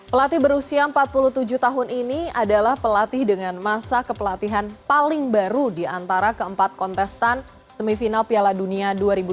pelatih berusia empat puluh tujuh tahun ini adalah pelatih dengan masa kepelatihan paling baru di antara keempat kontestan semifinal piala dunia dua ribu dua puluh